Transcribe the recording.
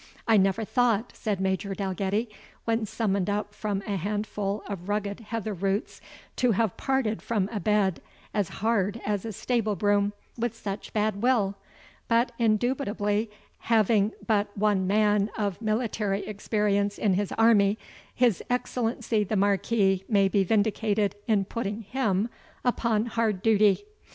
"I never thought," said Major Dalgetty, when summoned up from a handful of rugged heather roots, "to have parted from a bed as hard as a stable broom with such bad will; but, indubitably, having but one man of military experience in his army, his Excellency the Marquis may be vindicated in putting him upon hard duty."